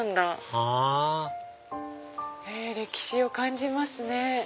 はぁ歴史を感じますね。